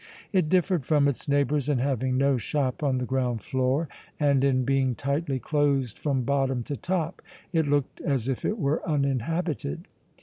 It differed from its neighbors in having no shop on the ground floor and in being tightly closed from bottom to top. It looked as if it were uninhabited.